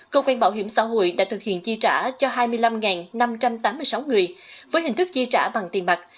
cơ quan bảo hiểm xã hội đã thực hiện chi trả cho hai mươi năm năm trăm tám mươi sáu người với hình thức chi trả bằng tiền mặt